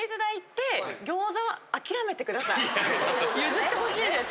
譲ってほしいです。